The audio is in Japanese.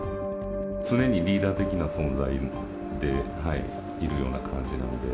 常にリーダー的な存在でいるような感じなので。